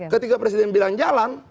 ketika presiden bilang jalan